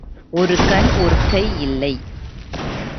ஒரு கண், ஒரு கை இல்லை.